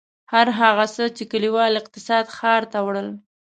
هر هغه څه چې کلیوال اقتصاد ښار ته وړل.